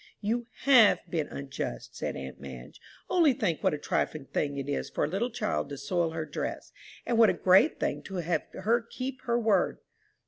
"You have been unjust," said aunt Madge. "Only think what a trifling thing it is for a little child to soil her dress! and what a great thing to have her keep her word!